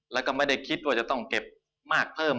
แล้วก็ไม่ได้คิดว่าจะต้องเก็บมากเพิ่ม